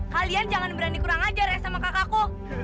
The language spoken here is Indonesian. kalian jangan berani kurang ajar eh sama kakakku